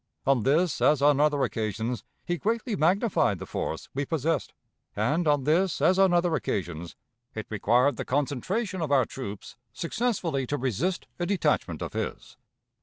On this as on other occasions he greatly magnified the force we possessed, and on this as on other occasions it required the concentration of our troops successfully to resist a detachment of his.